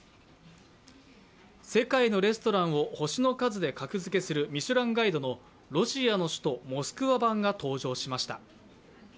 世界のレストランを星の数で格付するミシュランガイドのロシアの首都モスクワ版が登場しました。